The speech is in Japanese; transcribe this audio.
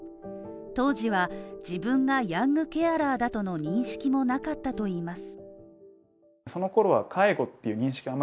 当時は、自分がヤングケアラーだとの認識もなかったといいます。